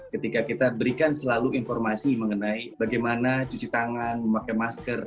ketika kita berikan selalu informasi mengenai bagaimana cuci tangan memakai masker